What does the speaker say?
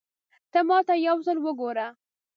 ته ماته يو ځل وګوره